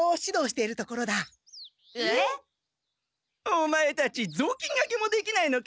オマエたちぞうきんがけもできないのか。